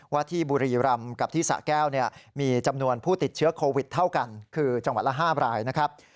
ที่บุรีรำกับที่สะแก้วมีจำนวนผู้ติดเชื้อโควิดเท่ากันคือจังหวัดละ๕รายนะครับ